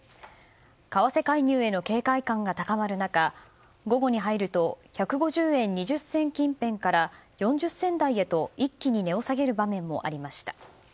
為替介入への警戒感が高まる中午後に入ると１５０円２０銭近辺から４０銭台へと一気に値を下げる場面もありました。